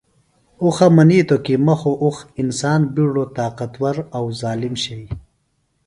اُخہ منیتوۡ کیۡ ”مہ خوۡ اُخ“ انسان بیڈوۡ طاقتور اوۡ ظالم شئی